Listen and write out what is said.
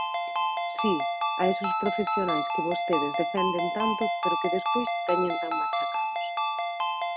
Si, a eses profesionais que vostedes defenden tanto pero que despois teñen tan machacados.